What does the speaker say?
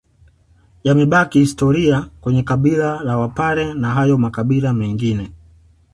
Yamebaki historia kwenye kabila la wapare na hayo makabila mengine